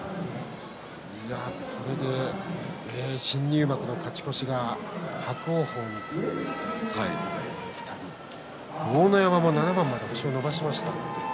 これで新入幕の勝ち越しが伯桜鵬に続いて豪ノ山も７番まで星を伸ばしています。